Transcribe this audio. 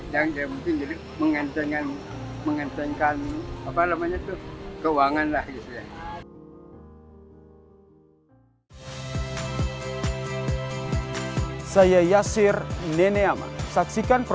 yang mungkin jadi mengencengkan